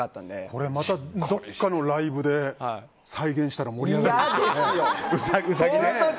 これまたどこかのライブで再現したら盛り上がるでしょうね。